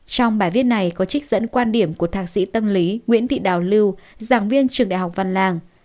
trong bài viết này có trích dẫn quan điểm của thạc sĩ tâm lý nguyễn thị đào lưu giảng viên trường đại học văn làng